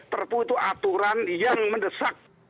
perpu itu aturan yang mendesak